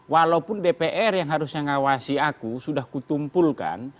walaupun dpr yang harusnya ngawasi aku sudah kutumpulkan